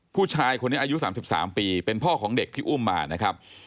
ผู้ชายคนนี้อายุ๓๓ปีเป็นพ่อของเด็กที่อุ้มมานะครับ